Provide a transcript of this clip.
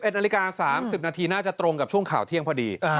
๑นาฬิกา๓๐นาทีน่าจะตรงกับช่วงข่าวเที่ยงพอดี